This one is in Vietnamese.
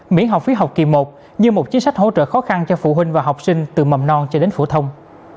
miễn học phí học kỳ một như một chính sách hỗ trợ khó khăn cho phụ huynh và học sinh từ mầm non cho đến phổ thông